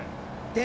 で？